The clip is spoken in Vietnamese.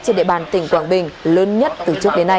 trên địa bàn tỉnh quảng bình lớn nhất từ trước đến nay